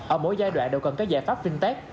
ở mỗi giai đoạn đều cần cái giải pháp fintech